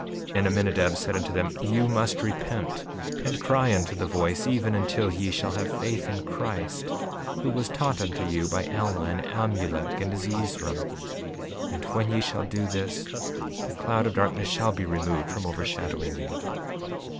5:41 And Aminadab said unto them: You must repent, and cry unto the voice, even until ye shall have faith in Christ, who was taught unto you by Alma, and Amulek, and Zeezrom; and when ye shall do this, the cloud of darkness shall be removed from overshadowing you.